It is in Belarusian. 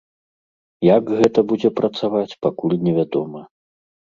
Як гэта будзе працаваць, пакуль невядома.